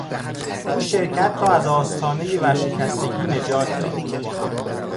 او شرکت را از آستانهی ورشکستگی نجات داد.